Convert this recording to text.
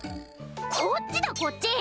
こっちだこっち！